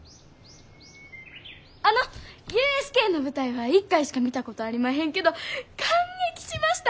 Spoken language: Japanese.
あのＵＳＫの舞台は１回しか見たことありまへんけど感激しました！